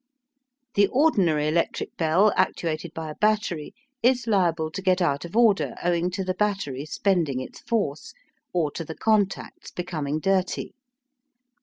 The ordinary electric bell actuated by a battery is liable to get out of order owing to the battery spending its force, or to the contacts becoming dirty.